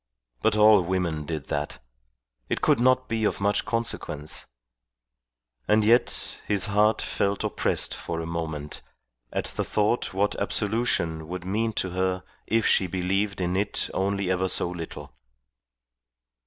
But all women did that. It could not be of much consequence. And yet his heart felt oppressed for a moment at the thought what absolution would mean to her if she believed in it only ever so little.